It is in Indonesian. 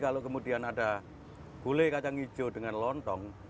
tapi kalau kemudian ada goulet kacang ijo dengan lontok